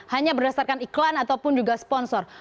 hanya berdasarkan iklan ataupun juga sponsor